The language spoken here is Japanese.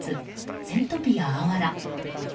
セントピアあわら。